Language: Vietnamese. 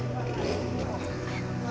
thật thật erik